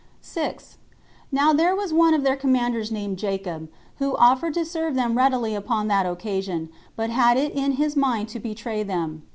6. Now there was one of their commanders named Jacob, who offered to serve them readily upon that occasion, but had it in his mind to betray them.